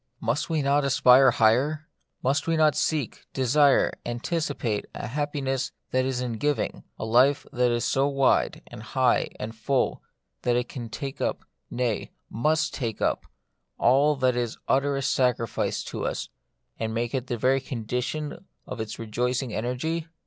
Must we not aspire higher ? Must we not seek, desire, anticipate a happiness that is in giving ; a life that is so wide, and high, and full, that it can take up, nay, must take up, all that is utterest sacrifice to us, and make it the very condition of its rejoicing energy